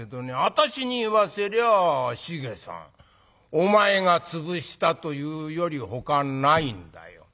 私に言わせりゃ繁さんお前が潰したと言うよりほかないんだよ。